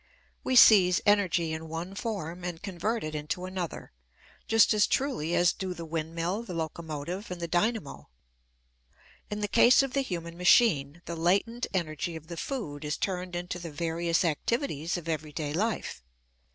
We seize energy in one form and convert it into another, just as truly as do the windmill, the locomotive, and the dynamo. In the case of the human machine, the latent energy of the food is turned into the various activities of everyday life.